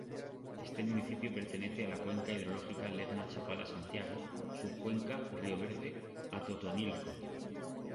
Este municipio pertenece a la cuenca hidrológica Lerma-Chapala-Santiago, subcuenca río Verde Atotonilco.